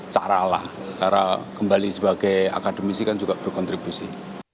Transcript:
karena caralah cara kembali sebagai akademisi kan juga berkontribusi